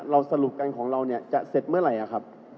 สรุปกันของเราเนี่ยจะเสร็จเมื่อไหร่ครับ